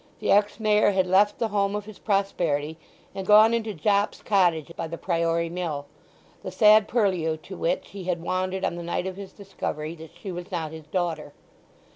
The ex Mayor had left the home of his prosperity, and gone into Jopp's cottage by the Priory Mill—the sad purlieu to which he had wandered on the night of his discovery that she was not his daughter.